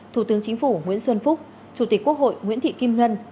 thủ tướng chính phủ nguyễn xuân phúc chủ tịch quốc hội nguyễn thị kim ngân